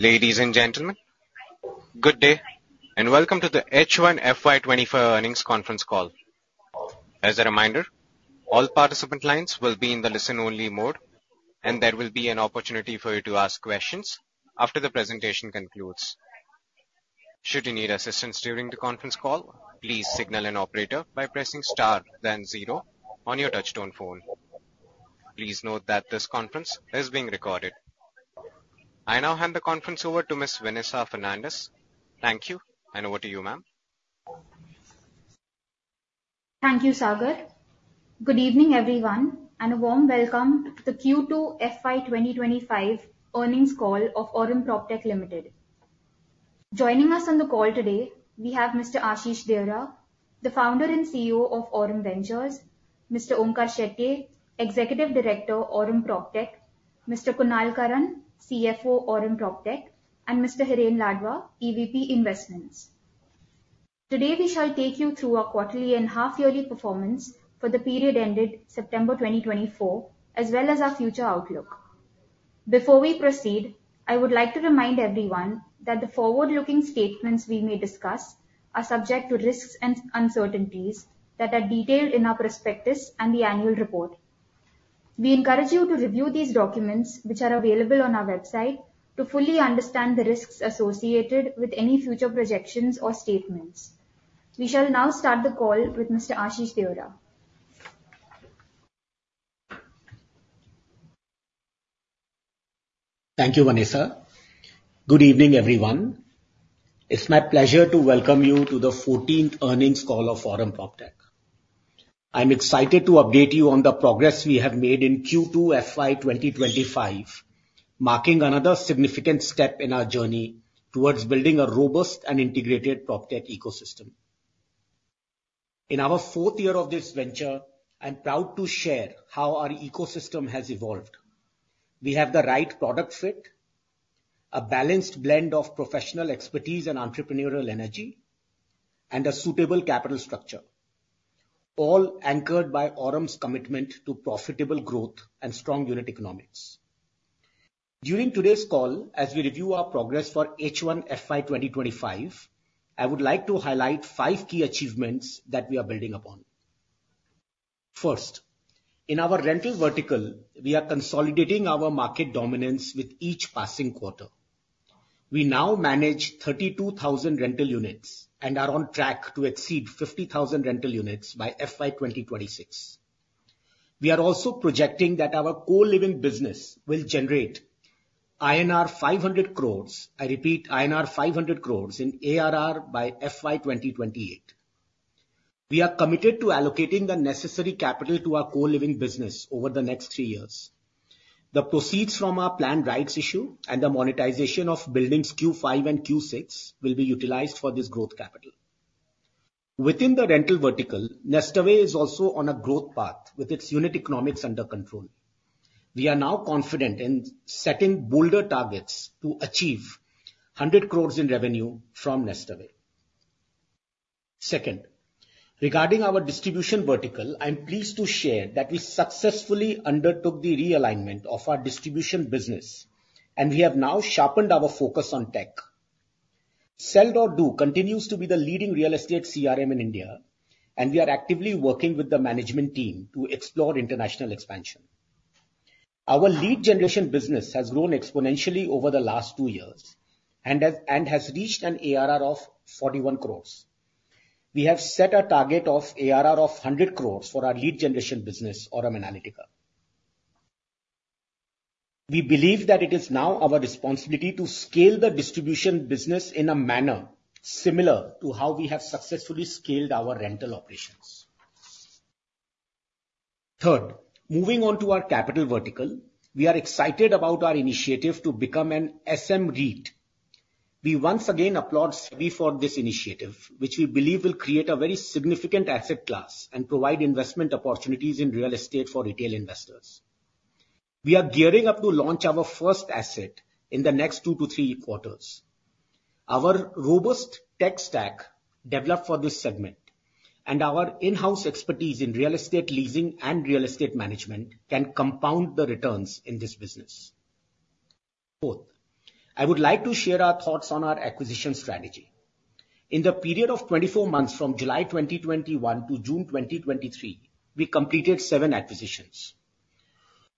Ladies and gentlemen, good day, and welcome to the H1 FY 2024 earnings conference call. As a reminder, all participant lines will be in the listen-only mode, and there will be an opportunity for you to ask questions after the presentation concludes. Should you need assistance during the conference call, please signal an operator by pressing star then zero on your touchtone phone. Please note that this conference is being recorded. I now hand the conference over to Ms. Vanessa Fernandes. Thank you, and over to you, ma'am. Thank you, Sagar. Good evening, everyone, and a warm welcome to the Q2 FY 2025 earnings call of Aurum PropTech Limited. Joining us on the call today, we have Mr. Ashish Deora, the Founder and CEO of Aurum Ventures, Mr. Onkar Shetye, Executive Director, Aurum PropTech, Mr. Kunal Karan, CFO, Aurum PropTech, and Mr. Hiren Ladva, EVP, Investments. Today, we shall take you through our quarterly and half-yearly performance for the period ended September 2024, as well as our future outlook. Before we proceed, I would like to remind everyone that the forward-looking statements we may discuss are subject to risks and uncertainties that are detailed in our prospectus and the annual report. We encourage you to review these documents, which are available on our website, to fully understand the risks associated with any future projections or statements. We shall now start the call with Mr. Ashish Deora. Thank you, Vanessa. Good evening, everyone. It's my pleasure to welcome you to the 14th earnings call of Aurum PropTech. I'm excited to update you on the progress we have made in Q2 FY 2025, marking another significant step in our journey towards building a robust and integrated PropTech ecosystem. In our fourth year of this venture, I'm proud to share how our ecosystem has evolved. We have the right product fit, a balanced blend of professional expertise and entrepreneurial energy, and a suitable capital structure, all anchored by Aurum's commitment to profitable growth and strong unit economics. During today's call, as we review our progress for H1 FY 2025, I would like to highlight five key achievements that we are building upon. First, in our rental vertical, we are consolidating our market dominance with each passing quarter. We now manage 32,000 rental units and are on track to exceed 50,000 rental units by FY 2026. We are also projecting that our co-living business will generate INR 500 crores, I repeat, INR 500 crores in ARR by FY 2028. We are committed to allocating the necessary capital to our co-living business over the next three years. The proceeds from our planned rights issue and the monetization of buildings Q5 and Q6 will be utilized for this growth capital. Within the rental vertical, NestAway is also on a growth path with its unit economics under control. We are now confident in setting bolder targets to achieve 100 crores in revenue from NestAway. Second, regarding our distribution vertical, I'm pleased to share that we successfully undertook the realignment of our distribution business, and we have now sharpened our focus on tech. Sell.Do continues to be the leading real estate CRM in India, and we are actively working with the management team to explore international expansion. Our lead generation business has grown exponentially over the last two years and has reached an ARR of 41 crores. We have set a target of ARR of 100 crores for our lead generation business, Aurum Analytica. We believe that it is now our responsibility to scale the distribution business in a manner similar to how we have successfully scaled our rental operations. Third, moving on to our capital vertical, we are excited about our initiative to become an SM REIT. We once again applaud SEBI for this initiative, which we believe will create a very significant asset class and provide investment opportunities in real estate for retail investors. We are gearing up to launch our first asset in the next two to three quarters. Our robust tech stack, developed for this segment, and our in-house expertise in real estate leasing and real estate management, can compound the returns in this business. Fourth, I would like to share our thoughts on our acquisition strategy. In the period of 24 months, from July 2021 to June 2023, we completed seven acquisitions.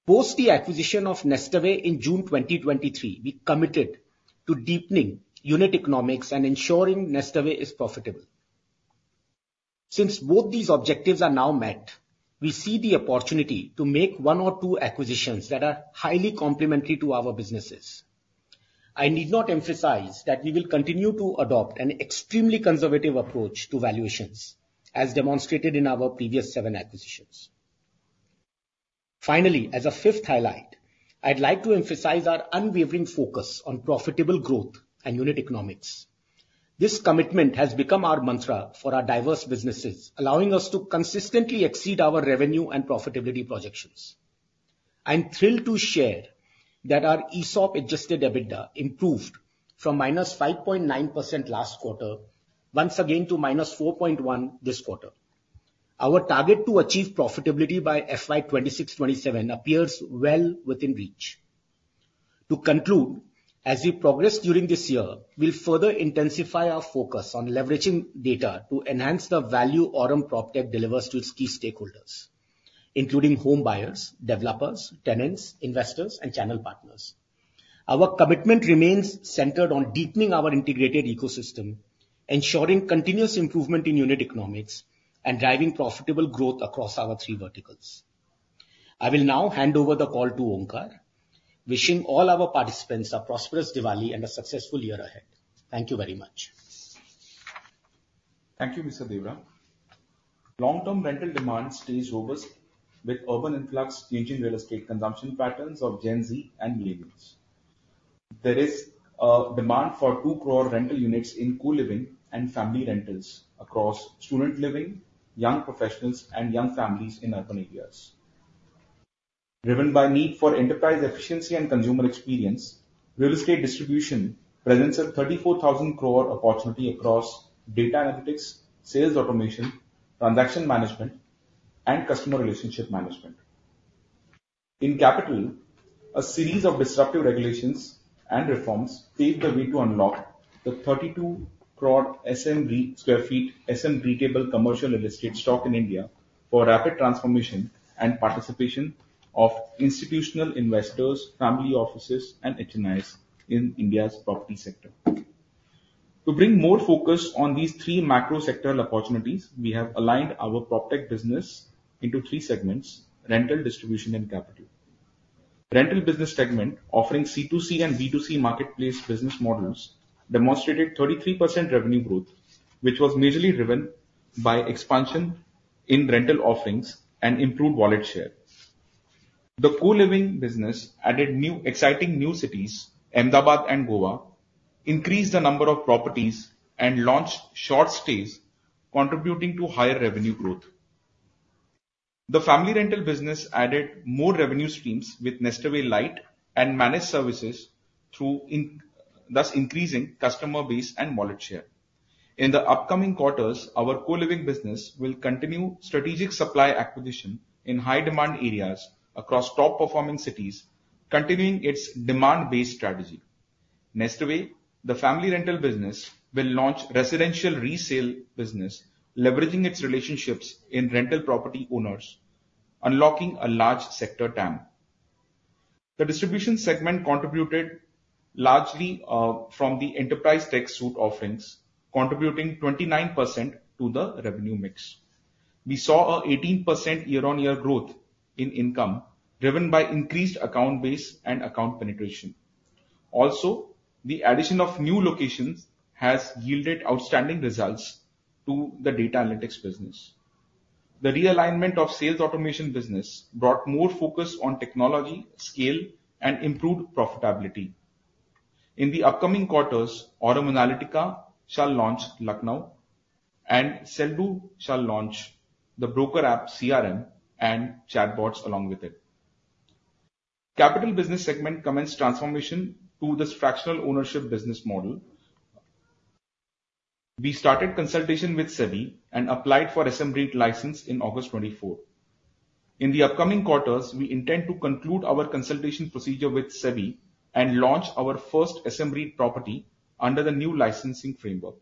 Post the acquisition of NestAway in June 2023, we committed to deepening unit economics and ensuring NestAway is profitable. Since both these objectives are now met, we see the opportunity to make one or two acquisitions that are highly complementary to our businesses. I need not emphasize that we will continue to adopt an extremely conservative approach to valuations, as demonstrated in our previous seven acquisitions. Finally, as a fifth highlight, I'd like to emphasize our unwavering focus on profitable growth and unit economics. This commitment has become our mantra for our diverse businesses, allowing us to consistently exceed our revenue and profitability projections. I'm thrilled to share that our ESOP-adjusted EBITDA improved from minus 5.9% last quarter, once again to minus 4.1% this quarter. Our target to achieve profitability by FY 2026-2027 appears well within reach. To conclude, as we progress during this year, we'll further intensify our focus on leveraging data to enhance the value Aurum PropTech delivers to its key stakeholders, including home buyers, developers, tenants, investors, and channel partners. Our commitment remains centered on deepening our integrated ecosystem, ensuring continuous improvement in unit economics, and driving profitable growth across our three verticals. I will now hand over the call to Onkar. Wishing all our participants a prosperous Diwali and a successful year ahead. Thank you very much. Thank you, Mr. Deora. Long-term rental demand stays robust with urban influx changing real estate consumption patterns of Gen Z and Millennials. There is a demand for 2 crore rental units in co-living and family rentals across student living, young professionals, and young families in urban areas. Driven by need for enterprise efficiency and consumer experience, real estate distribution presents a 34,000 crore opportunity across data analytics, sales automation, transaction management, and customer relationship management. In capital, a series of disruptive regulations and reforms paved the way to unlock the 32 crore sq ft SM REIT-able commercial real estate stock in India for rapid transformation and participation of institutional investors, family offices, and HNIs in India's property sector. To bring more focus on these three macro sectoral opportunities, we have aligned our PropTech business into three segments: rental, distribution, and capital. Rental business segment, offering C2C and B2C marketplace business models, demonstrated 33% revenue growth, which was majorly driven by expansion in rental offerings and improved wallet share. The co-living business added new, exciting new cities, Ahmedabad and Goa, increased the number of properties, and launched short stays, contributing to higher revenue growth. The family rental business added more revenue streams with NestAway Lite and managed services through in-house, thus increasing customer base and wallet share. In the upcoming quarters, our co-living business will continue strategic supply acquisition in high demand areas across top-performing cities, continuing its demand-based strategy. NestAway, the family rental business, will launch residential resale business, leveraging its relationships in rental property owners, unlocking a large sector TAM. The distribution segment contributed largely from the enterprise tech suite offerings, contributing 29% to the revenue mix. We saw an 18% year-on-year growth in income, driven by increased account base and account penetration. Also, the addition of new locations has yielded outstanding results to the data analytics business. The realignment of sales automation business brought more focus on technology, scale, and improved profitability. In the upcoming quarters, Aurum Analytica shall launch Lucknow, and Sell.Do shall launch the broker app CRM and chatbots along with it. Capital business segment commenced transformation to this fractional ownership business model. We started consultation with SEBI and applied for SM REIT license in August 2024. In the upcoming quarters, we intend to conclude our consultation procedure with SEBI and launch our first SM REIT property under the new licensing framework.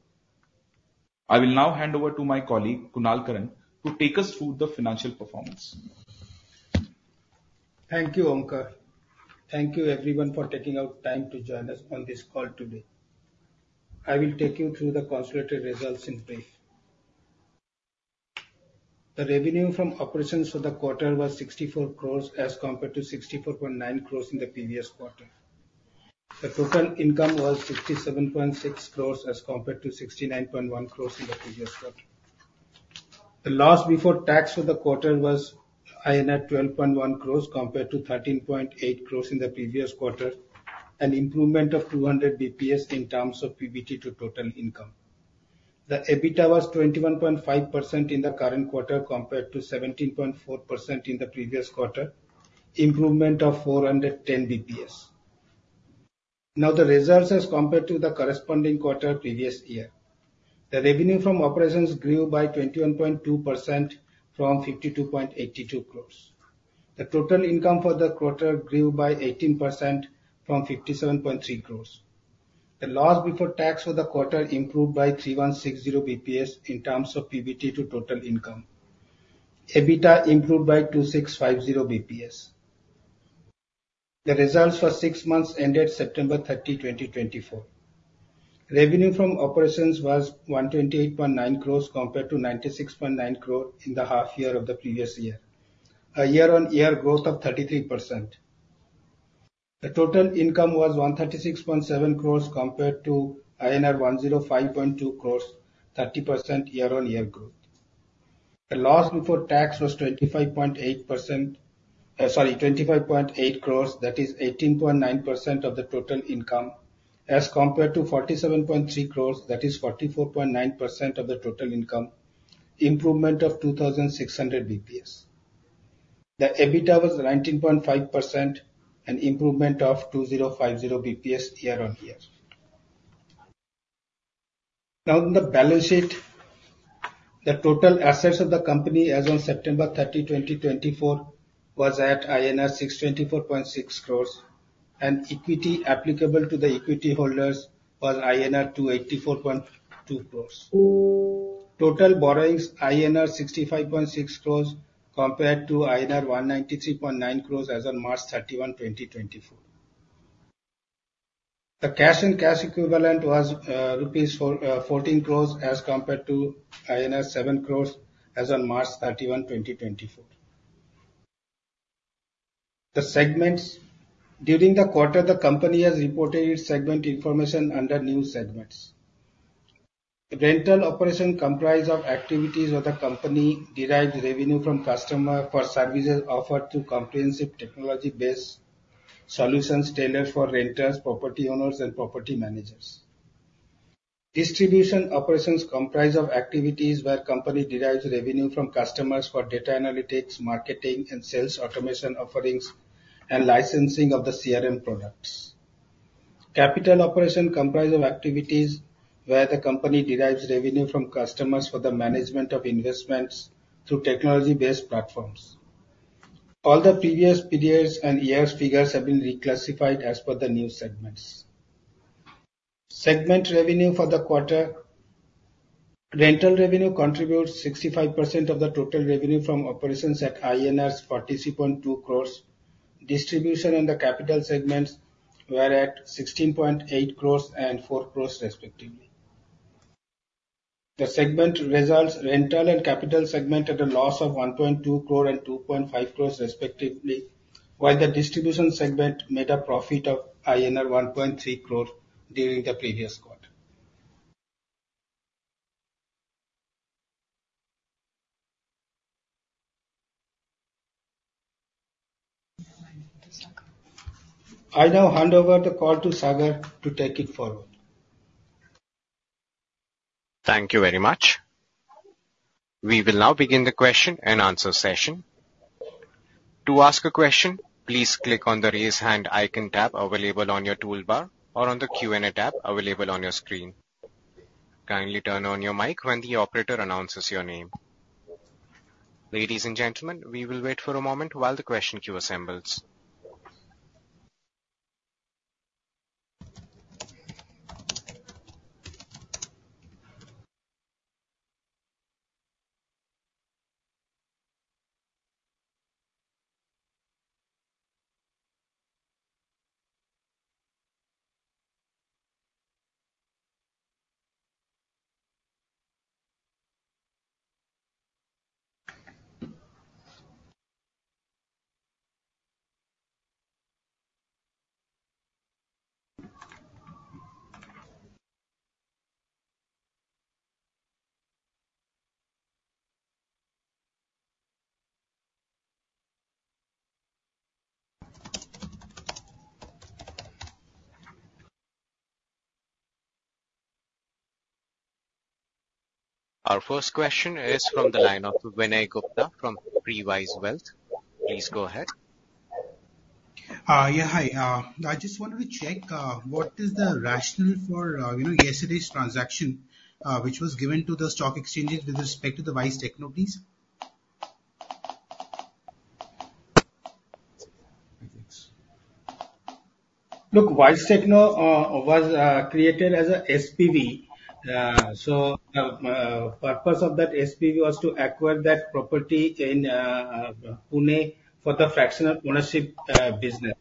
I will now hand over to my colleague, Kunal Karan, to take us through the financial performance. Thank you, Onkar. Thank you everyone for taking out time to join us on this call today. I will take you through the consolidated results in brief. The revenue from operations for the quarter was 64 crores, as compared to 64.9 crores in the previous quarter. The total income was 67.6 crores as compared to 69.1 crores in the previous quarter. The loss before tax for the quarter was INR 12.1 crores, compared to 13.8 crores in the previous quarter, an improvement of 200 basis points in terms of PBT to total income. The EBITDA was 21.5% in the current quarter, compared to 17.4% in the previous quarter, improvement of 410 basis points. Now, the results as compared to the corresponding quarter previous year. The revenue from operations grew by 21.2% from 52.82 crores. The total income for the quarter grew by 18% from 57.3 crores. The loss before tax for the quarter improved by 3,160 basis points in terms of PBT to total income. EBITDA improved by 2,650 basis points. The results for six months ended September 30, 2024. Revenue from operations was 128.9 crores compared to 96.9 crore in the half year of the previous year, a year-on-year growth of 33%. The total income was 136.7 crores compared to INR 105.2 crores, 30% year-on-year growth. The loss before tax was 25.8%, sorry, 25.8 crores, that is 18.9% of the total income, as compared to 47.3 crores, that is 44.9% of the total income, improvement of 2,600 basis points. The EBITDA was 19.5%, an improvement of 2,050 basis points year-on-year. Now in the balance sheet, the total assets of the company as on September 30, 2024, was at INR 624.6 crores, and equity applicable to the equity holders was INR 284.2 crores. Total borrowings, INR 65.6 crores, compared to INR 193.9 crores as on March 31, 2024. The cash and cash equivalent was 14 crores rupees, as compared to 7 crores as on March 31, 2024. The segments. During the quarter, the company has reported its segment information under new segments. The rental operation comprise of activities where the company derives revenue from customer for services offered through comprehensive technology-based solutions tailored for renters, property owners and property managers. Distribution operations comprise of activities where company derives revenue from customers for data analytics, marketing, and sales automation offerings, and licensing of the CRM products. Capital operation comprise of activities where the company derives revenue from customers for the management of investments through technology-based platforms. All the previous periods and years' figures have been reclassified as per the new segments. Segment revenue for the quarter. Rental revenue contributes 65% of the total revenue from operations at INR 47.2 crores. Distribution and the capital segments were at 16.8 crores and 4 crores respectively. The segment results, rental and capital segment at a loss of 1.2 crore and 2.5 crores respectively, while the distribution segment made a profit of INR 1.3 crore during the previous quarter. I now hand over the call to Sagar to take it forward. Thank you very much. We will now begin the question and answer session. To ask a question, please click on the Raise Hand icon tab available on your toolbar, or on the Q&A tab available on your screen. Kindly turn on your mic when the operator announces your name. Ladies and gentlemen, we will wait for a moment while the question queue assembles. Our first question is from the line of Vinay Gupta from Previse Wealth. Please go ahead. Yeah, hi. I just wanted to check what is the rationale for, you know, yesterday's transaction, which was given to the stock exchanges with respect to the Wise Techno, please? Look, Wise Techno was created as a SPV. So the purpose of that SPV was to acquire that property in Pune for the fractional ownership business.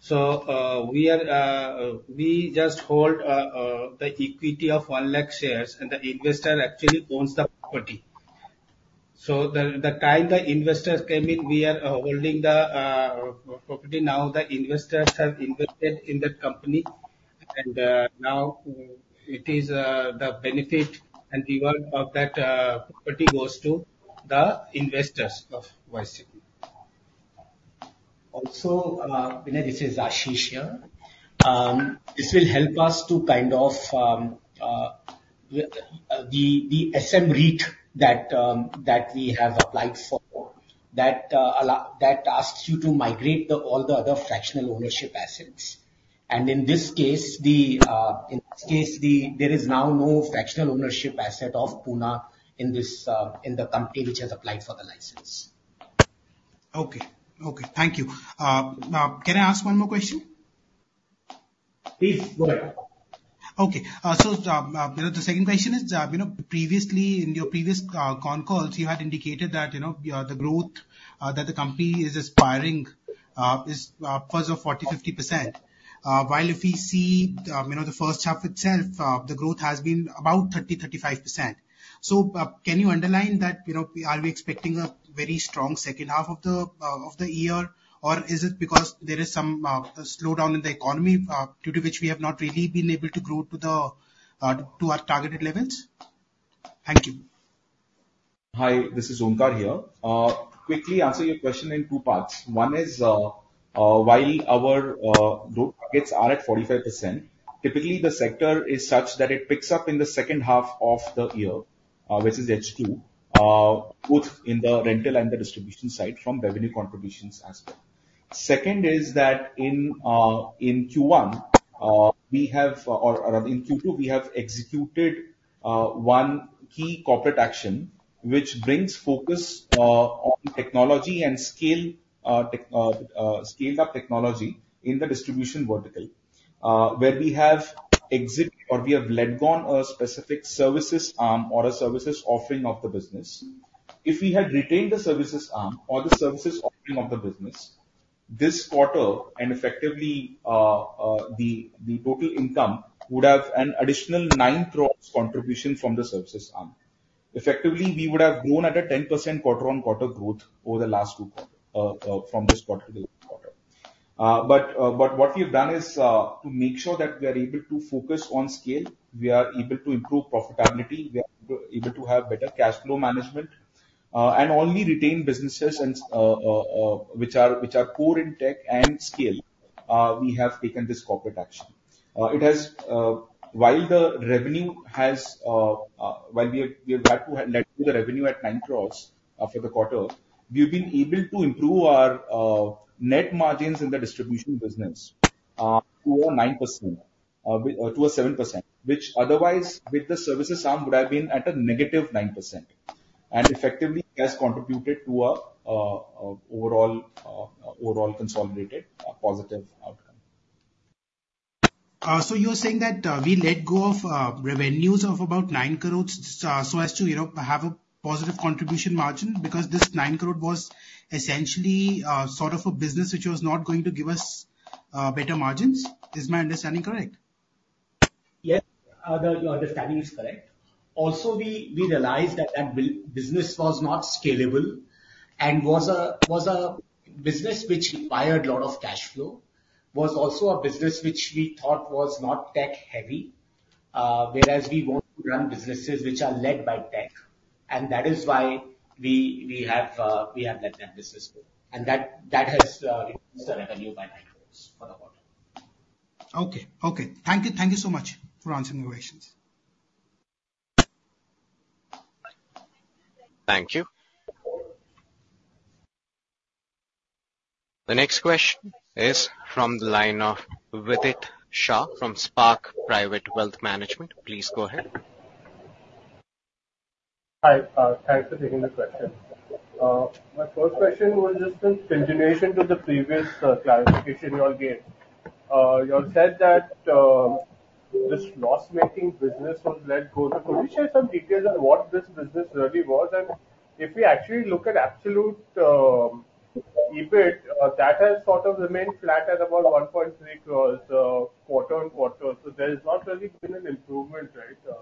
So we just hold the equity of one lakh shares, and the investor actually owns the property. So the time the investors came in, we are holding the property. Now, the investors have invested in that company, and now it is the benefit and reward of that property goes to the investors of Wise Techno. Also, Vinay, this is Ashish here. This will help us to kind of the SM REIT that we have applied for that asks you to migrate all the other fractional ownership assets. And in this case, there is now no fractional ownership asset of Pune in the company which has applied for the license. Okay. Okay, thank you. Can I ask one more question? Please go ahead. Okay. So, the second question is, you know, previously, in your previous con calls, you had indicated that, you know, the growth that the company is aspiring is first off 40%-50%. Well, if we see, you know, the first half itself, the growth has been about 30%-35%. So, can you elaborate that, you know, are we expecting a very strong second half of the year? Or is it because there is some slowdown in the economy due to which we have not really been able to grow to our targeted levels? Thank you. Hi, this is Onkar here. Quickly answer your question in two parts. One is, while our growth targets are at 45%, typically the sector is such that it picks up in the second half of the year, which is H2, both in the rental and the distribution side from revenue contributions as well. Second is that in, in Q1, we have, or in Q2, we have executed one key corporate action which brings focus on technology and scale, tech, scale-up technology in the distribution vertical. Where we have exit or we have let gone a specific services arm or a services offering of the business. If we had retained the services arm or the services offering of the business, this quarter, and effectively, the total income would have an additional 9 crores contribution from the services arm. Effectively, we would have grown at a 10% quarter-on-quarter growth over the last two, from this particular quarter. But what we've done is, to make sure that we are able to focus on scale, we are able to improve profitability, we are able to have better cash flow management, and only retain businesses and, which are core in tech and scale, we have taken this corporate action. While we have had to let go the revenue at 9 crores for the quarter, we've been able to improve our net margins in the distribution business to 9%, to 7%. Which otherwise, with the services arm, would have been at a -9%, and effectively has contributed to an overall consolidated positive outcome. So you're saying that we let go of revenues of about 9 crores so as to, you know, have a positive contribution margin? Because this 9 crore was essentially sort of a business which was not going to give us better margins. Is my understanding correct? Yes, your understanding is correct. Also, we realized that that business was not scalable and was a business which required a lot of cash flow. Was also a business which we thought was not tech-heavy, whereas we want to run businesses which are led by tech, and that is why we have let that business go. And that has reduced the revenue by 9 crores for the quarter. Okay. Okay, thank you, thank you so much for answering my questions. Thank you. The next question is from the line of Vidit Shah from Spark Private Wealth Management. Please go ahead. Hi, thanks for taking the question. My first question was just a continuation to the previous clarification you all gave. You all said that this loss-making business was let go. Could you share some details on what this business really was? And if we actually look at absolute EBIT, that has sort of remained flat at about 1.3 crores quarter-on-quarter, so there has not really been an improvement, right,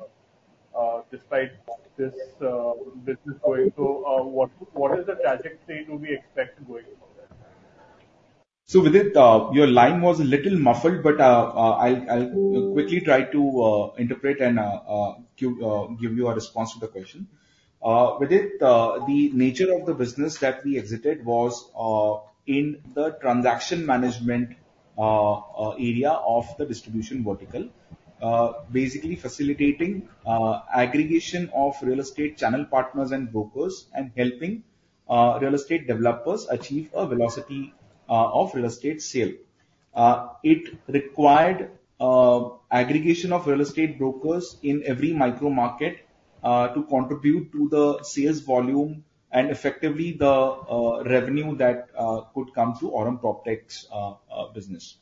despite this business going. So, what is the trajectory to be expected going forward? So, Vidit, your line was a little muffled, but, I'll quickly try to interpret and give you a response to the question. Vidit, the nature of the business that we exited was in the transaction management area of the distribution vertical. Basically facilitating aggregation of real estate channel partners and brokers, and helping real estate developers achieve a velocity of real estate sale. It required aggregation of real estate brokers in every micro market to contribute to the sales volume and effectively the revenue that could come through Aurum PropTech's business.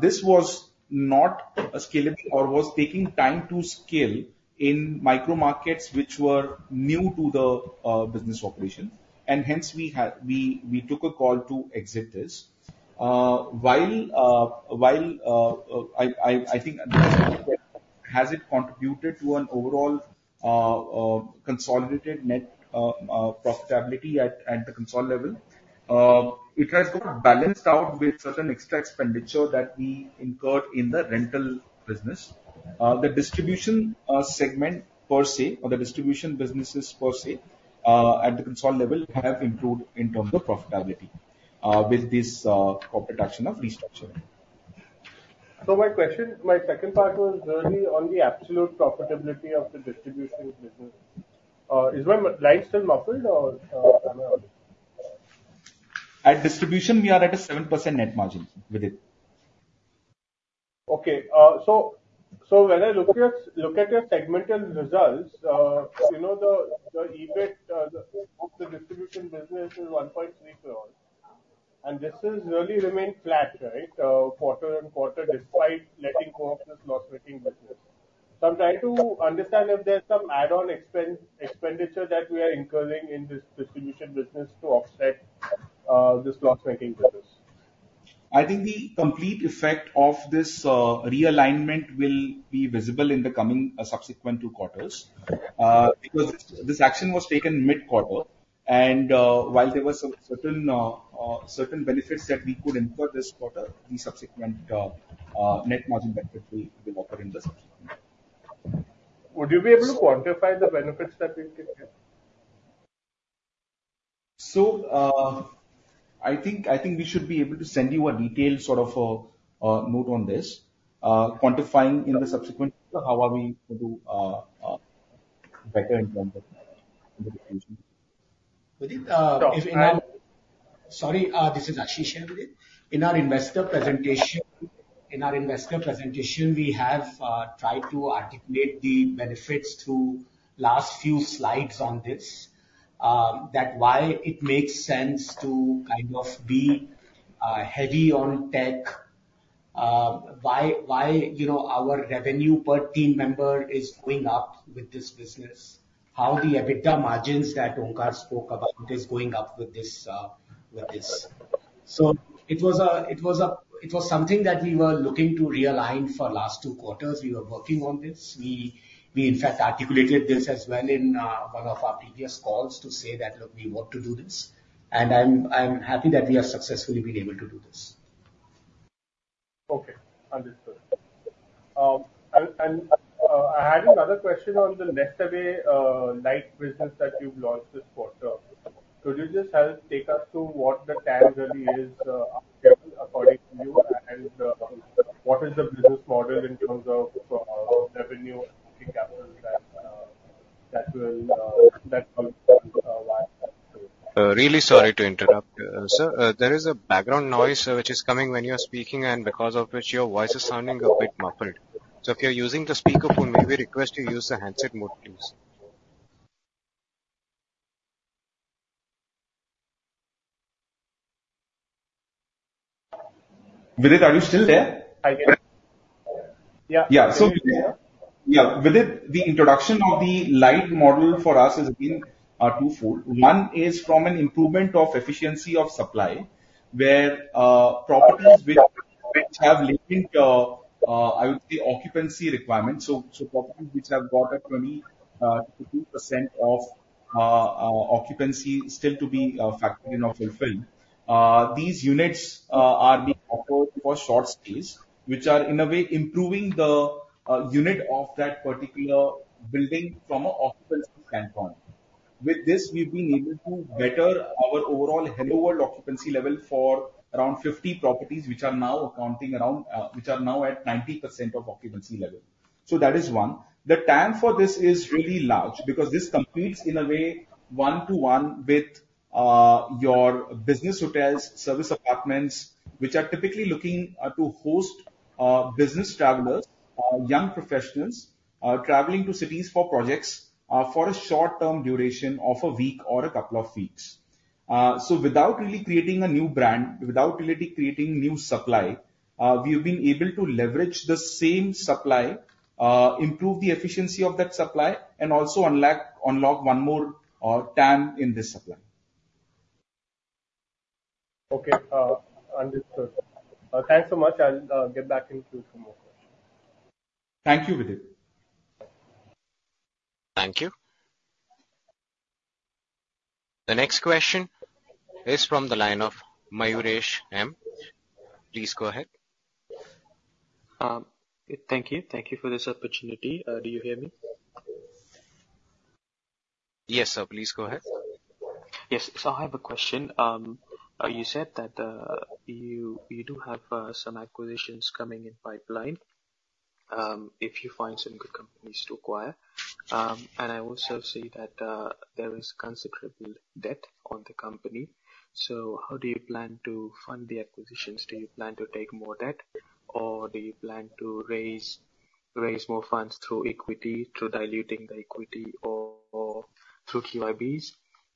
This was not a scalable or was taking time to scale in micro markets which were new to the business operation, and hence we had... We took a call to exit this. While I think has it contributed to an overall consolidated net profitability at the consol level, it has got balanced out with certain extra expenditure that we incurred in the rental business. The distribution segment per se, or the distribution businesses per se, at the consol level, have improved in terms of profitability with this corporate action of restructuring. So my question, my second part was really on the absolute profitability of the distribution business. Is my line still muffled or am I audible? At distribution, we are at a 7% net margin, Vidit. Okay, so when I look at your segmental results, you know, the EBIT of the distribution business is 1.3 crores, and this has really remained flat, right, quarter-on-quarter, despite letting go of this loss-making business. So I'm trying to understand if there's some add-on expenditure that we are incurring in this distribution business to offset this loss-making business. I think the complete effect of this realignment will be visible in the coming subsequent two quarters. Because this action was taken mid-quarter, and while there were some certain benefits that we could input this quarter, the subsequent net margin benefit will occur in the subsequent. Would you be able to quantify the benefits that we can get? I think we should be able to send you a detailed sort of note on this, quantifying in the subsequent quarter how we are going to better in terms of in the presentation. Vidit, sorry, this is Ashish here, Vidit. In our investor presentation, we have tried to articulate the benefits through last few slides on this. That's why it makes sense to kind of be heavy on tech. Why, you know, our revenue per team member is going up with this business. How the EBITDA margins that Onkar spoke about is going up with this. So it was something that we were looking to realign for last two quarters. We were working on this. We in fact articulated this as well in one of our previous calls to say that, look, we want to do this, and I'm happy that we have successfully been able to do this. Okay. Understood. And I had another question on the NestAway Lite business that you've launched this quarter. Could you just help take us to what the TAM really is, according to you, and what is the business model in terms of revenue and capital that will wire...? Really sorry to interrupt. Sir, there is a background noise which is coming when you are speaking, and because of which your voice is sounding a bit muffled. So if you're using the speaker phone, may we request you use the handset mode, please? Vidit, are you still there? I am. Yeah. Yeah. So, yeah, Vidit, the introduction of the light model for us has been twofold. One is from an improvement of efficiency of supply, where properties which have linked occupancy requirements. So properties which have got a 20%-50% occupancy still to be factored in or fulfilled. These units are being offered for short stays, which are, in a way, improving the unit of that particular building from an occupancy standpoint. With this, we've been able to better our overall occupancy level for around 50 properties, which are now at 90% occupancy level. So that is one. The TAM for this is really large, because this competes in a way one to one with your business hotels, service apartments, which are typically looking to host business travelers, young professionals traveling to cities for projects for a short-term duration of a week or a couple of weeks. So without really creating a new brand, without really creating new supply, we have been able to leverage the same supply, improve the efficiency of that supply, and also unlock one more TAM in this supply. Okay, understood. Thanks so much. I'll get back to you for more questions. Thank you, Vidit. Thank you. The next question is from the line of Mayuresh M. Please go ahead. Thank you. Thank you for this opportunity. Do you hear me? Yes, sir. Please go ahead. Yes. So I have a question. You said that you do have some acquisitions coming in pipeline, if you find some good companies to acquire. And I also see that there is considerable debt on the company, so how do you plan to fund the acquisitions? Do you plan to take more debt, or do you plan to raise more funds through equity, through diluting the equity or through QIBs?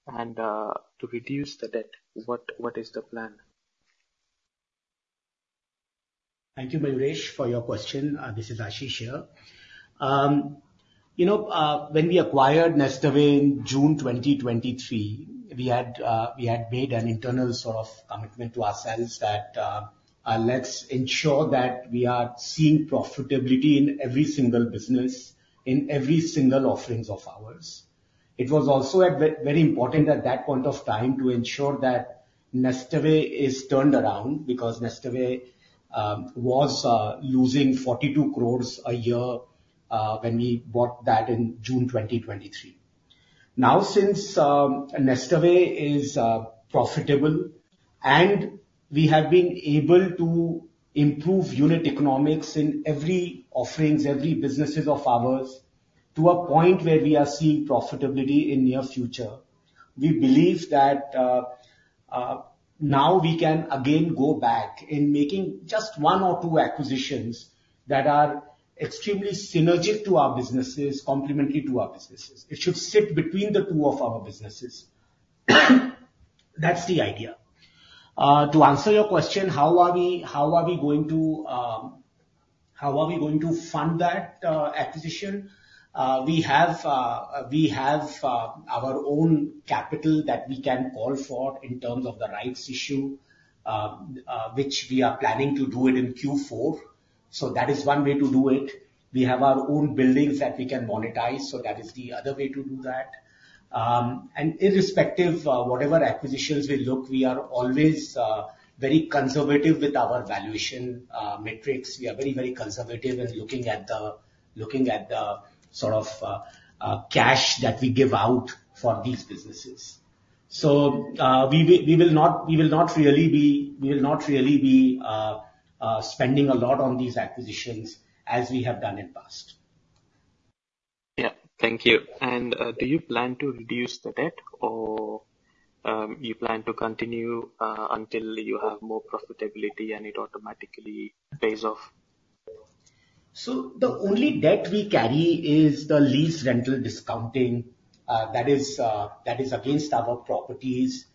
And to reduce the debt, what is the plan? Thank you, Mayuresh, for your question. This is Ashish here. You know, when we acquired NestAway in June 2023, we had made an internal sort of commitment to ourselves that, let's ensure that we are seeing profitability in every single business, in every single offerings of ours. It was also very important at that point of time to ensure that NestAway is turned around, because NestAway was losing 42 crores a year, when we bought that in June 2023. Now, since NestAway is profitable and we have been able to improve unit economics in every offerings, every businesses of ours, to a point where we are seeing profitability in near future, we believe that, now we can again go back in making just one or two acquisitions that are extremely synergistic to our businesses, complementary to our businesses. It should sit between the two of our businesses. That's the idea. To answer your question, how are we going to fund that acquisition? We have our own capital that we can call for in terms of the rights issue, which we are planning to do it in Q4. So that is one way to do it. We have our own buildings that we can monetize, so that is the other way to do that, and irrespective of whatever acquisitions we look, we are always very conservative with our valuation metrics. We are very, very conservative in looking at the sort of cash that we give out for these businesses. We will not really be spending a lot on these acquisitions as we have done in past. Yeah. Thank you. And do you plan to reduce the debt or you plan to continue until you have more profitability and it automatically pays off? So the only debt we carry is the lease rental discounting, that is against our properties.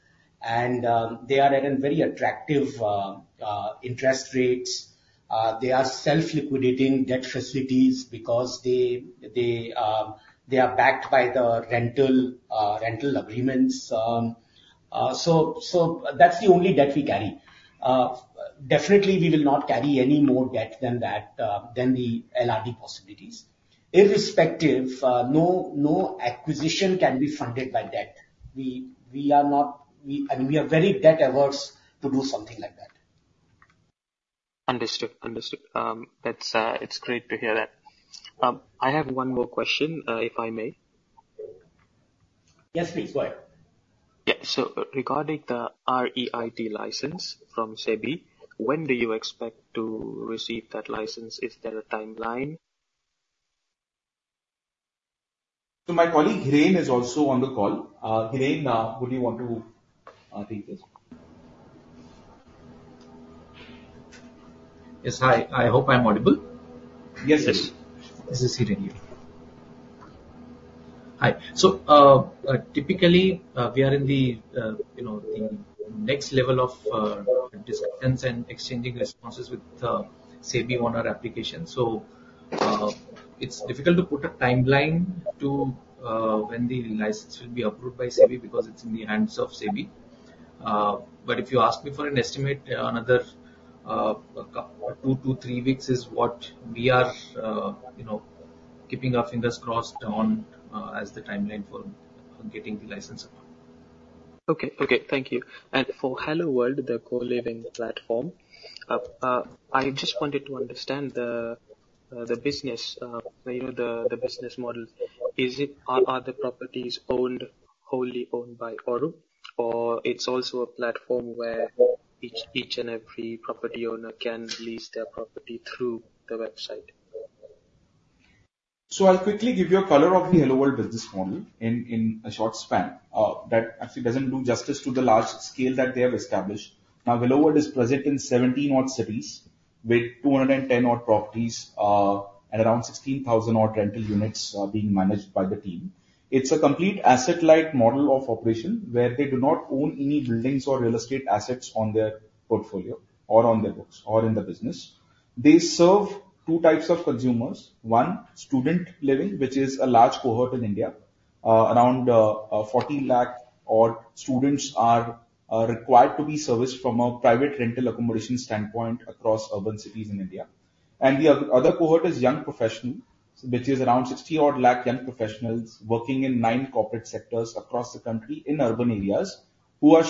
And they are at a very attractive interest rates. They are self-liquidating debt facilities because they are backed by the rental agreements. So that's the only debt we carry. Definitely we will not carry any more debt than that, than the LRD possibilities. Irrespective, no acquisition can be funded by debt. We are not, I mean, we are very debt-averse to do something like that. Understood. That's, it's great to hear that. I have one more question, if I may? Yes, please. Go ahead. Yeah, so regarding the REIT license from SEBI, when do you expect to receive that license? Is there a timeline? So my colleague, Hiren, is also on the call. Hiren, would you want to take this? Yes. Hi, I hope I'm audible. Yes, yes. This is Hiren here. Hi. So, typically, we are in the, you know, the next level of discussions and exchanging responses with SEBI on our application. So, it's difficult to put a timeline to when the license will be approved by SEBI, because it's in the hands of SEBI. But if you ask me for an estimate, another couple, two to three weeks is what we are, you know, keeping our fingers crossed on as the timeline for getting the license approved. Okay. Okay, thank you. And for HelloWorld, the co-living platform, I just wanted to understand the business, you know, the business model. Are the properties owned, wholly owned by Aurum, or it's also a platform where each and every property owner can lease their property through the website? So I'll quickly give you a color of the HelloWorld business model in a short span that actually doesn't do justice to the large scale that they have established. Now, HelloWorld is present in 17 odd cities, with 210 odd properties, and around 16,000 odd rental units being managed by the team. It's a complete asset-light model of operation, where they do not own any buildings or real estate assets on their portfolio, or on their books, or in the business. They serve two types of consumers. One, student living, which is a large cohort in India. Around 40 lakh odd students are required to be serviced from a private rental accommodation standpoint across urban cities in India. And the other cohort is young professional, which is around 60 odd lakh young professionals working in nine corporate sectors across the country in urban areas, who are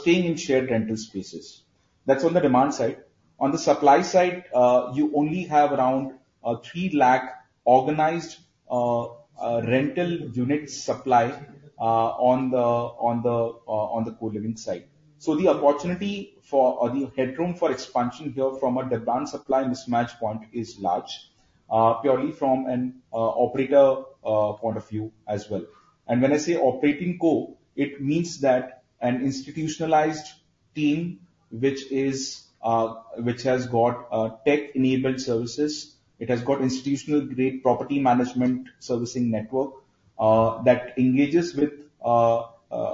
staying in shared rental spaces. That's on the demand side. On the supply side, you only have around 3 lakh organized rental unit supply on the co-living side. So the opportunity for, or the headroom for expansion here from a demand-supply mismatch point is large, purely from an operator point of view as well. And when I say operating co, it means that an institutionalized team, which has got tech-enabled services, it has got institutional-grade property management servicing network, that engages with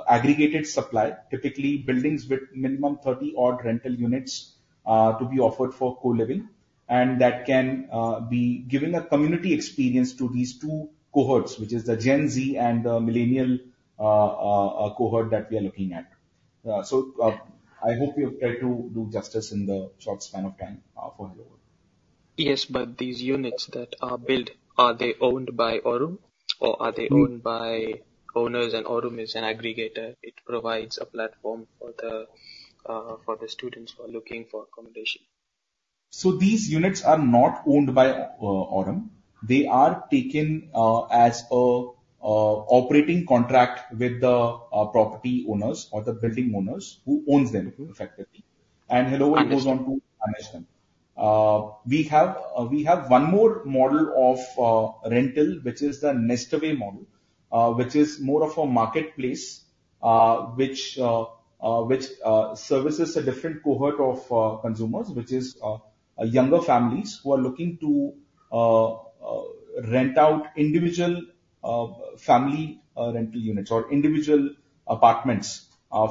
aggregated supply, typically buildings with minimum thirty odd rental units to be offered for co-living. And that can be giving a community experience to these two cohorts, which is the Gen Z and the Millennials cohort that we are looking at. So, I hope we have tried to do justice in the short span of time, for Hello. Yes, but these units that are built, are they owned by Aurum, or are they owned by owners, and Aurum is an aggregator. It provides a platform for the students who are looking for accommodation? These units are not owned by Aurum. They are taken as a operating contract with the property owners or the building owners who owns them, effectively. Understood. And Hello goes on to manage them. We have one more model of rental, which is the NestAway model, which is more of a marketplace, which services a different cohort of consumers. Which is younger families who are looking to rent out individual family rental units or individual apartments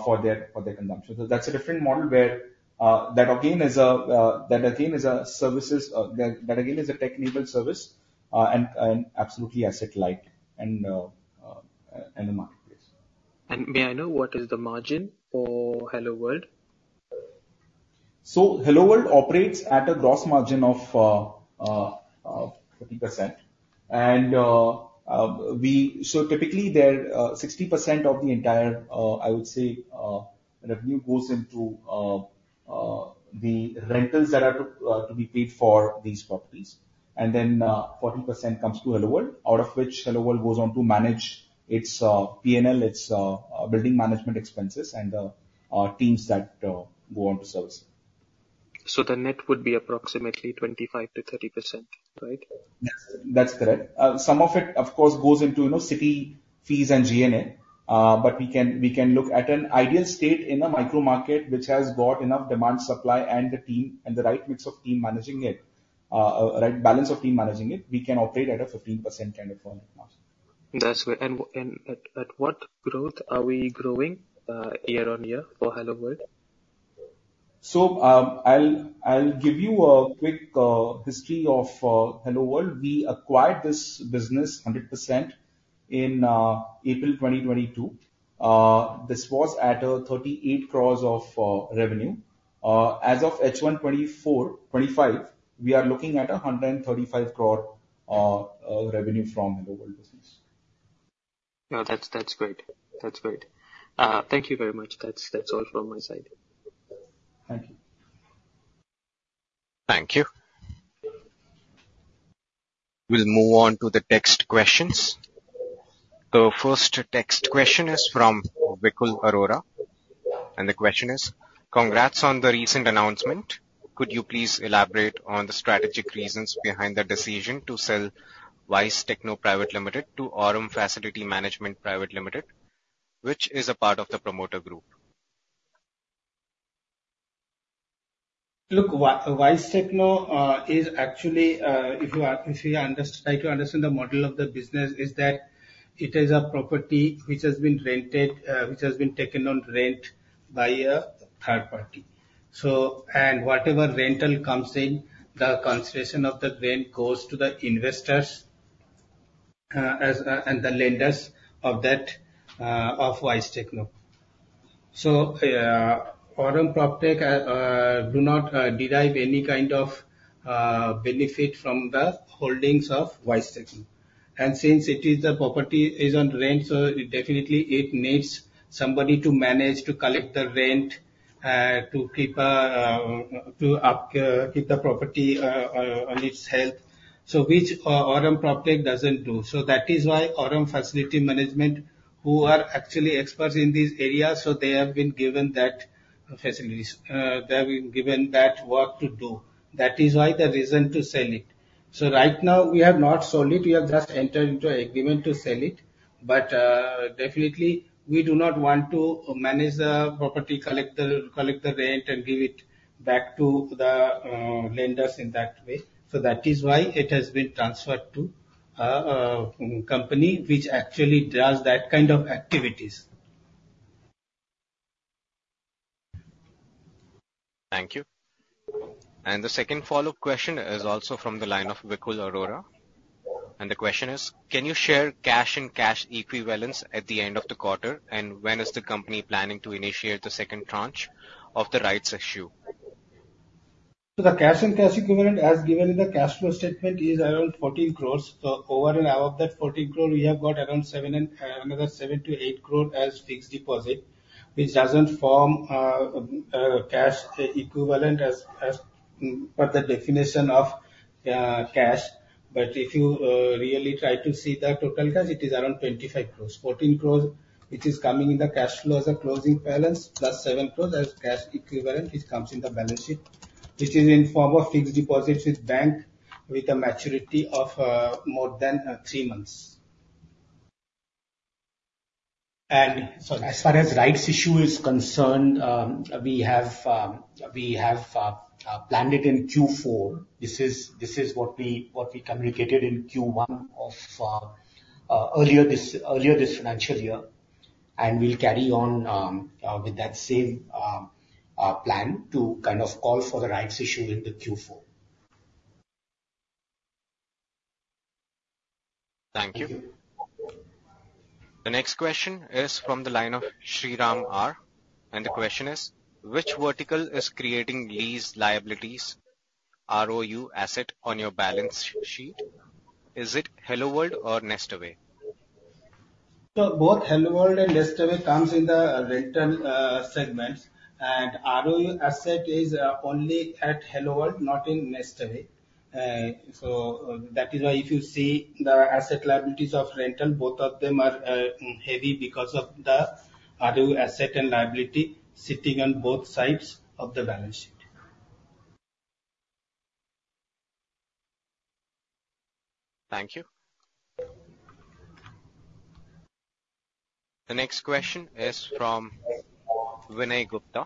for their consumption. So that's a different model where that again is a services, that again is a tech-enabled service, and absolutely asset light, and a marketplace. May I know what is the margin for HelloWorld? HelloWorld operates at a gross margin of 30%. Typically, their 60% of the entire revenue goes into the rentals that are to be paid for these properties, and then 40% comes to HelloWorld, out of which HelloWorld goes on to manage its P&L, its building management expenses and our teams that go on to service. The net would be approximately 25%-30%, right? That's correct. Some of it, of course, goes into, you know, city fees and G&A. But we can look at an ideal state in a micro market, which has got enough demand, supply, and the team, and the right mix of team managing it, a right balance of team managing it. We can operate at a 15% kind of margin. That's great. And at what growth are we growing year-on-year for HelloWorld? I'll give you a quick history of HelloWorld. We acquired this business 100% in April 2022. This was at 38 crores of revenue. As of H1 2024/2025, we are looking at 135 crore of revenue from HelloWorld business. No, that's, that's great. That's great. Thank you very much. That's, that's all from my side. Thank you. Thank you. We'll move on to the text questions. The first text question is from Vikul Arora, and the question is: Congrats on the recent announcement. Could you please elaborate on the strategic reasons behind the decision to sell Wise Techno Private Limited to Aurum Facility Management Private Limited, which is a part of the promoter group? Look, Wise Techno is actually, if you are, if you try to understand the model of the business, is that it is a property which has been rented, which has been taken on rent by a third party. So. And whatever rental comes in, the consideration of the rent goes to the investors, as and the lenders of that, of Wise Techno. So, Aurum PropTech do not derive any kind of benefit from the holdings of Wise Techno. And since it is the property is on rent, so it definitely it needs somebody to manage, to collect the rent, to keep, to up, keep the property, on, on its health. So which, Aurum PropTech doesn't do. So that is why Aurum Facility Management, who are actually experts in this area, so they have been given that facilities, they have been given that work to do. That is why the reason to sell it. So right now, we have not sold it, we have just entered into an agreement to sell it. But, definitely, we do not want to manage the property, collect the rent and give it back to the lenders in that way. So that is why it has been transferred to a company which actually does that kind of activities. Thank you. And the second follow-up question is also from the line of Vikul Arora. And the question is: Can you share cash and cash equivalents at the end of the quarter, and when is the company planning to initiate the second tranche of the rights issue? The cash and cash equivalent, as given in the cash flow statement, is around 14 crores. Over and above that 14 crore, we have got another 7-8 crore as fixed deposit, which doesn't form cash equivalent as per the definition of cash. But if you really try to see the total cash, it is around 25 crores. 14 crores, which is coming in the cash flow as a closing balance, plus 7 crores as cash equivalent. It comes in the balance sheet, which is in form of fixed deposits with bank, with a maturity of more than 3 months. And so as far as rights issue is concerned, we have planned it in Q4. This is what we communicated in Q1 of earlier this financial year. And we'll carry on with that same plan to kind of call for the rights issue in the Q4. Thank you. The next question is from the line of Shriram R. And the question is: Which vertical is creating these liabilities, ROU asset on your balance sheet? Is it HelloWorld or NestAway? So both HelloWorld and NestAway comes in the rental segments. And ROU asset is only at HelloWorld, not in NestAway. So, that is why if you see the asset liabilities of rental, both of them are heavy because of the ROU asset and liability sitting on both sides of the balance sheet. Thank you. The next question is from Vinay Gupta.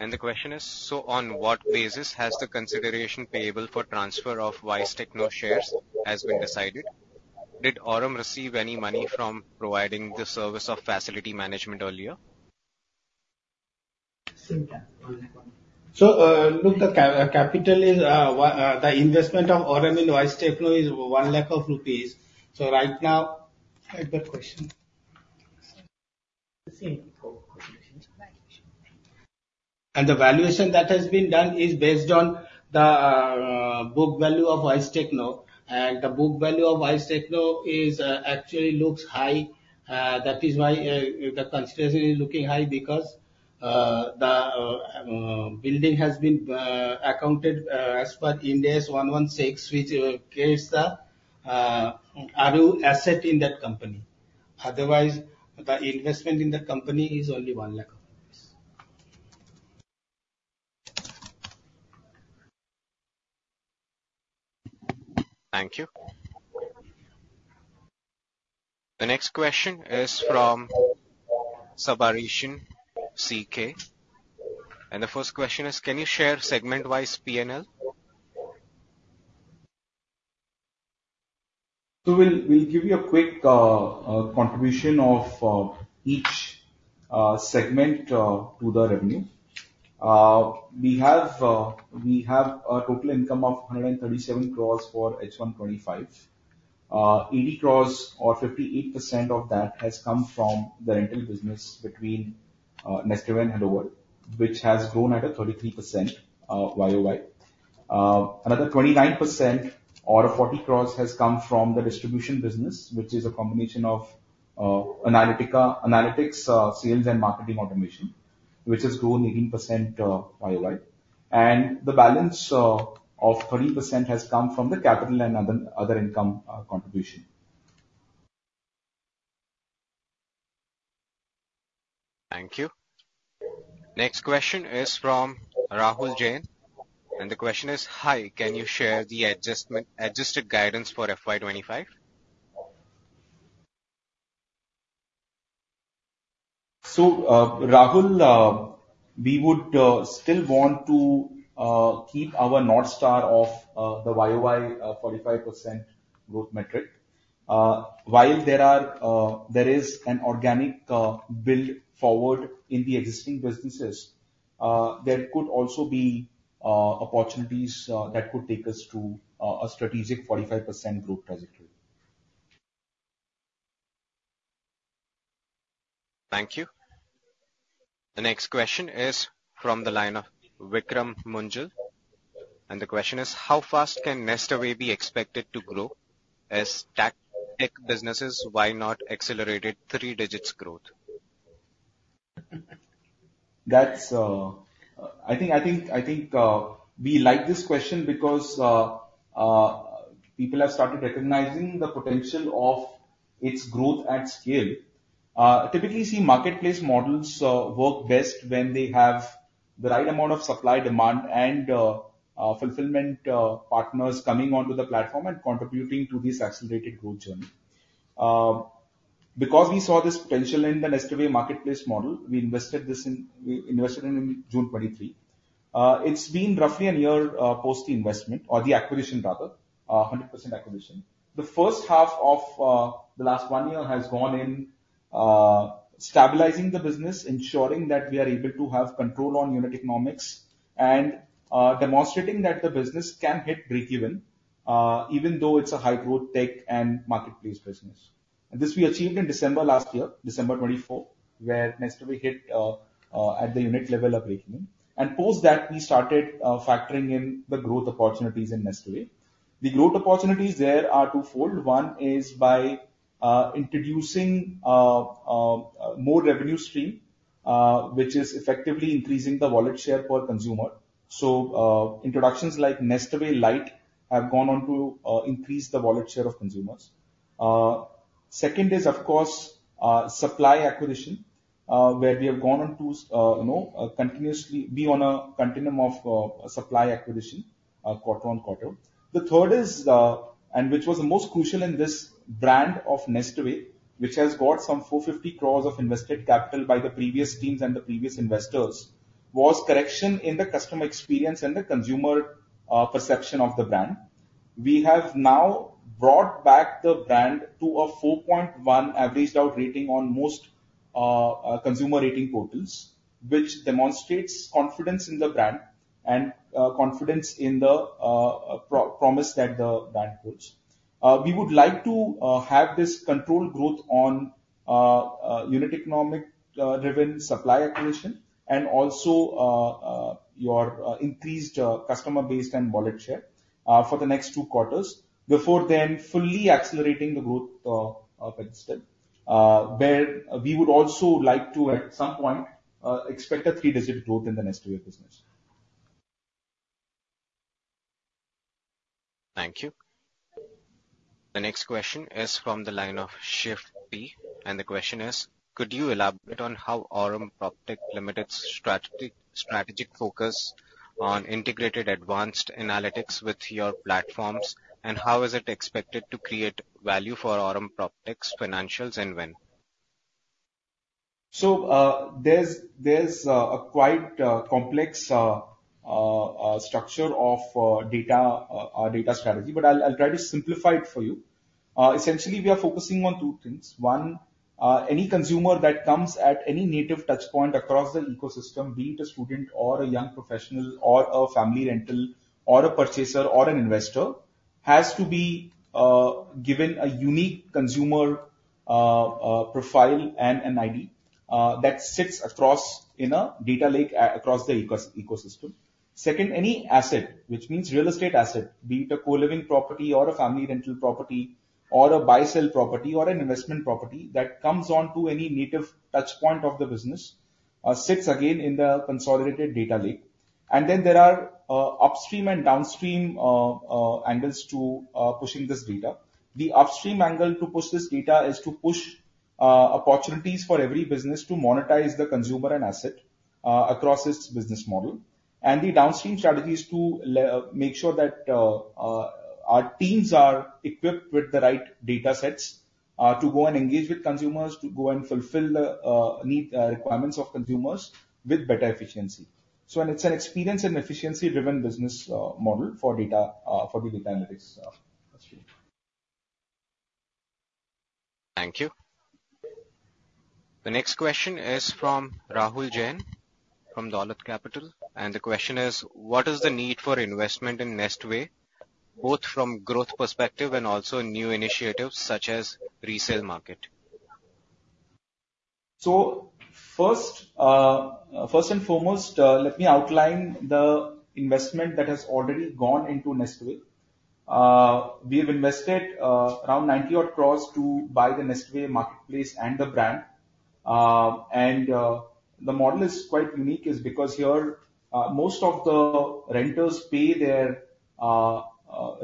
And the question is: So on what basis has the consideration payable for transfer of Wise Techno shares been decided? Did Aurum receive any money from providing the service of facility management earlier? Same thing. So, look, the capital is the investment of Aurum in Wise Techno is 1 lakh rupees. So right now- Repeat the question. The same question. And the valuation that has been done is based on the book value of Wise Techno. And the book value of Wise Techno is actually looks high, that is why the consideration is looking high, because the building has been accounted as per Ind AS 116, which creates the ROU asset in that company. Otherwise, the investment in the company is only 1 lakh rupees. Thank you. The next question is from Sabarishan C.K., and the first question is: Can you share segment-wise P&L? We'll give you a quick contribution of each segment to the revenue. We have a total income of 137 crores for H1 2025. 8 crores or 58% of that has come from the rental business between NestAway and HelloWorld, which has grown at a 33% YOY. Another 29% or 40 crores has come from the distribution business, which is a combination of analytics sales, and marketing automation, which has grown 18% YOY. And the balance of 13% has come from the capital and other income contribution. Thank you. Next question is from Rahul Jain, and the question is: Hi, can you share the adjusted guidance for FY 2025? Rahul, we would still want to keep our North Star of the YOY 45% growth metric. While there is an organic build forward in the existing businesses, there could also be opportunities that could take us to a strategic 45% growth trajectory. Thank you. The next question is from the line of Vikram Munjal, and the question is: How fast can NestAway be expected to grow? As tech, tech businesses, why not accelerated three digits growth? That's, I think, we like this question because people have started recognizing the potential of its growth at scale. Typically, see, marketplace models work best when they have the right amount of supply, demand, and fulfillment partners coming onto the platform and contributing to this accelerated growth journey. Because we saw this potential in the NestAway marketplace model, we invested in June 2023. It's been roughly a year post the investment or the acquisition rather, 100% acquisition. The first half of the last one year has gone in stabilizing the business, ensuring that we are able to have control on unit economics, and demonstrating that the business can hit breakeven even though it's a high-growth tech and marketplace business. And this we achieved in December last year, December 2024, where NestAway hit at the unit level of breakeven. And post that, we started factoring in the growth opportunities in NestAway. The growth opportunities there are twofold. One is by introducing more revenue stream, which is effectively increasing the wallet share per consumer. So, introductions like NestAway Lite have gone on to increase the wallet share of consumers. Second is, of course, supply acquisition, where we have gone on to, you know, continuously be on a continuum of supply acquisition, quarter-on-quarter. The third is, and which was the most crucial in this brand of NestAway, which has got some 450 crores of invested capital by the previous teams and the previous investors, was correction in the customer experience and the consumer perception of the brand. We have now brought back the brand to a 4.1 averaged out rating on most consumer rating portals, which demonstrates confidence in the brand and confidence in the promise that the brand holds. We would like to have this controlled growth on unit economics-driven supply acquisition, and also our increased customer base and wallet share for the next two quarters, before then fully accelerating the growth of NestAway where we would also like to, at some point, expect a three-digit growth in the NestAway business. Thank you. The next question is from the line of Shiv P, and the question is: Could you elaborate on how Aurum PropTech Limited's strategic focus on integrated advanced analytics with your platforms, and how is it expected to create value for Aurum PropTech's financials and when? There's a quite complex structure of data strategy, but I'll try to simplify it for you. Essentially, we are focusing on two things. One, any consumer that comes at any native touch point across the ecosystem, be it a student, or a young professional, or a family rental, or a purchaser, or an investor, has to be given a unique consumer profile and an ID, that sits across in a Data Lake across the ecosystem. Second, any asset, which means real estate asset, be it a co-living property or a family rental property, or a buy-sell property, or an investment property that comes onto any native touchpoint of the business, sits again in the consolidated Data Lake. And then there are upstream and downstream angles to pushing this data. The upstream angle to push this data is to push opportunities for every business to monetize the consumer and asset across its business model. And the downstream strategy is to make sure that our teams are equipped with the right datasets to go and engage with consumers, to go and fulfill the need requirements of consumers with better efficiency. So and it's an experience and efficiency-driven business model for data for the data analytics industry. Thank you. The next question is from Rahul Jain, from Dolat Capital, and the question is: "What is the need for investment in NestAway, both from growth perspective and also in new initiatives such as resale market? First, first and foremost, let me outline the investment that has already gone into NestAway. We have invested around 90-odd crores to buy the NestAway marketplace and the brand. And the model is quite unique, is because here most of the renters pay their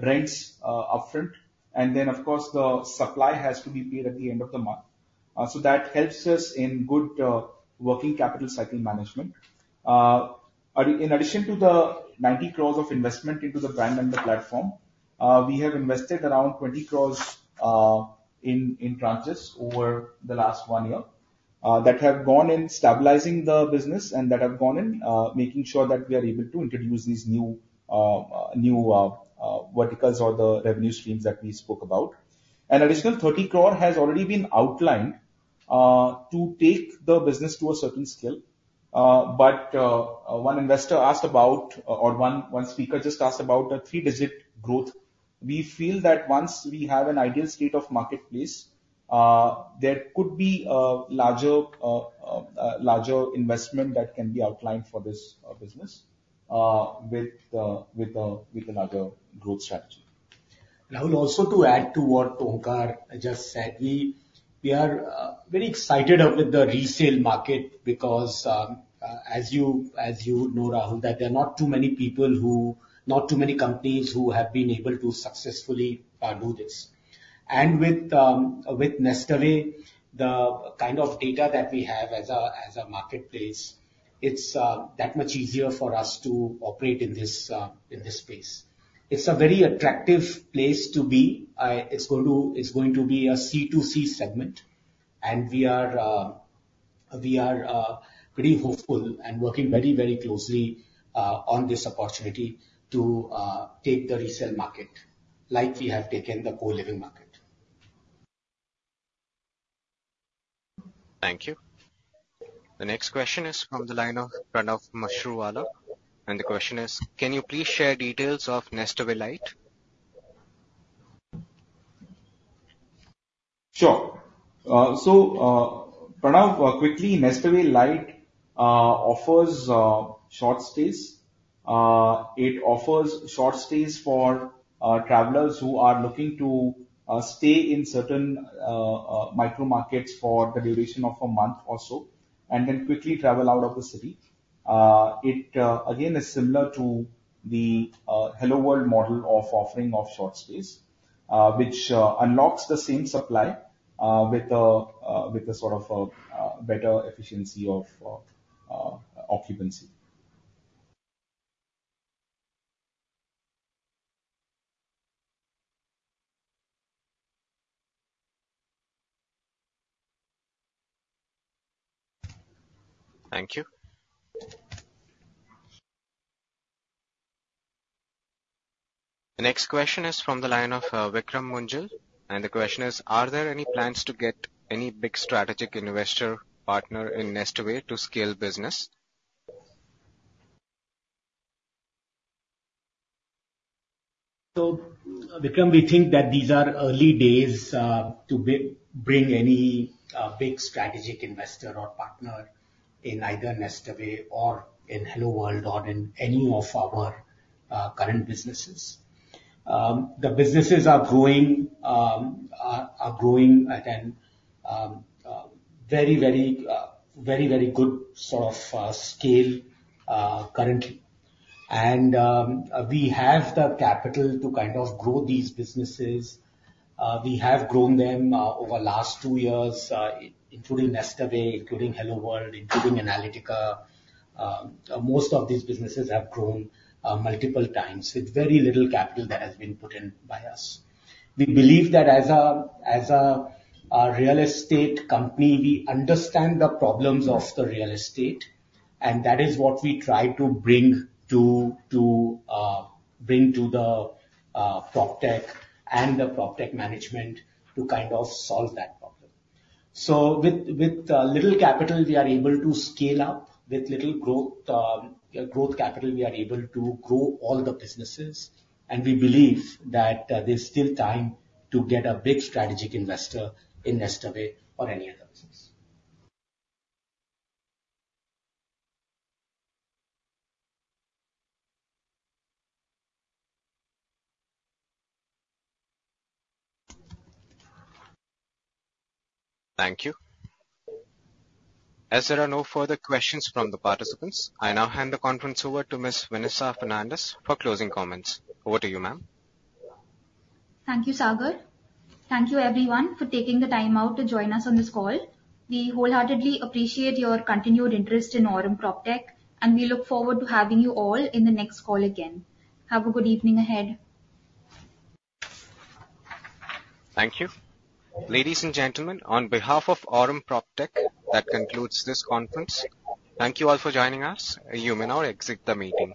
rents upfront, and then, of course, the supply has to be paid at the end of the month. So that helps us in good working capital cycle management. In addition to the 90 crores of investment into the brand and the platform, we have invested around 20 crores in branches over the last one year that have gone in stabilizing the business and that have gone in making sure that we are able to introduce these new verticals or the revenue streams that we spoke about. An additional 30 crore has already been outlined to take the business to a certain scale. But one investor asked about, or one speaker just asked about the three-digit growth. We feel that once we have an ideal state of marketplace, there could be a larger investment that can be outlined for this business with another growth strategy. Rahul, also to add to what Onkar just said, we are very excited about the resale market because, as you know, Rahul, that there are not too many companies who have been able to successfully do this. And with NestAway, the kind of data that we have as a marketplace, it's that much easier for us to operate in this space. It's a very attractive place to be. It's going to be a C2C segment, and we are pretty hopeful and working very closely on this opportunity to take the resale market like we have taken the co-living market. Thank you. The next question is from the line of Pranav Mashruwala, and the question is: "Can you please share details of NestAway Lite? Sure. So, Pranav, quickly, NestAway Lite offers short stays. It offers short stays for travelers who are looking to stay in certain micro markets for the duration of a month or so, and then quickly travel out of the city. It again is similar to the HelloWorld model of offering of short stays, which unlocks the same supply with a sort of better efficiency of occupancy. Thank you. The next question is from the line of Vikram Munjal, and the question is: "Are there any plans to get any big strategic investor partner in NestAway to scale business? So, Vikram, we think that these are early days to bring any big strategic investor or partner in either NestAway or in HelloWorld or in any of our current businesses. The businesses are growing, are growing at a very good sort of scale currently. And we have the capital to kind of grow these businesses. We have grown them over last two years, including NestAway, including HelloWorld, including Analytica. Most of these businesses have grown multiple times. With very little capital that has been put in by us. We believe that as a real estate company, we understand the problems of the real estate, and that is what we try to bring to the PropTech and the PropTech management to kind of solve that problem. So with little capital, we are able to scale up. With little growth capital, we are able to grow all the businesses, and we believe that there's still time to get a big strategic investor in NestAway or any other business. Thank you. As there are no further questions from the participants, I now hand the conference over to Miss Vanessa Fernandes for closing comments. Over to you, ma'am. Thank you, Sagar. Thank you everyone for taking the time out to join us on this call. We wholeheartedly appreciate your continued interest in Aurum PropTech, and we look forward to having you all in the next call again. Have a good evening ahead. Thank you. Ladies and gentlemen, on behalf of Aurum PropTech, that concludes this conference. Thank you all for joining us. You may now exit the meeting.